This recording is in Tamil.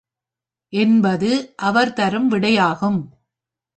என்பது அவர் தரும் விடையாகும்.